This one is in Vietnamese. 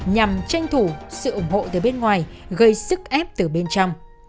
nhằm tranh thủ sự ủng hộ từ bên ngoài gây sức ép từ bên trong